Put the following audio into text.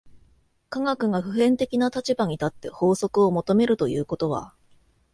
科学が普遍的な立場に立って法則を求めるということは、